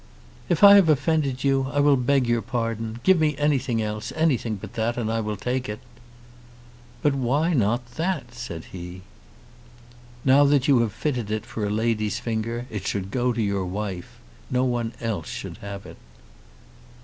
"If I have offended you I will beg your pardon. Give me anything else, anything but that, and I will take it." "But why not that?" said he. "Now that you have fitted it for a lady's finger it should go to your wife. No one else should have it."